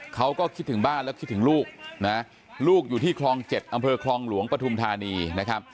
เขาก็คิดถึงบ้านแล้วคิดถึงลูกนะลูกอยู่ที่คลอง๗อำเภอคลองหลวงปฐุมธานีนะครับ